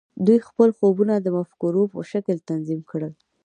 دوی خپل خوبونه د مفکورو په شکل تنظیم کړل